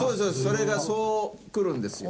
それがそうくるんですよ。